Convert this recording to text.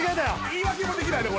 言い訳もできないね